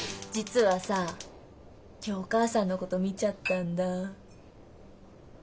実はさ今日お母さんのこと見ちゃったんだ。